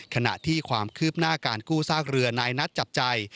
ขณะที่ความคืบหน้าการกู้ซากเรือนายนัดจับใจ